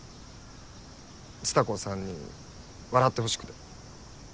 蔦子さんに笑ってほしくて。